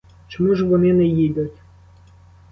Чому ж вони не їдуть?